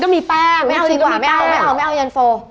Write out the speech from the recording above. ไม่เอาดีกว่าไม่เอาเย็นตะโฟ